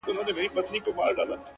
حالات چي سوزوي- ستا په لمن کي جانانه-